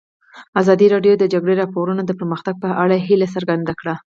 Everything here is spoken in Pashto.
ازادي راډیو د د جګړې راپورونه د پرمختګ په اړه هیله څرګنده کړې.